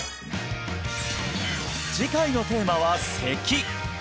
次回のテーマは「咳」